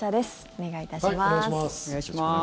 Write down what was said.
お願いします。